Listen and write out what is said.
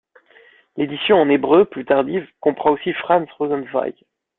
L'édition en hébreu, plus tardive, comprend aussi Franz Rosenzweig.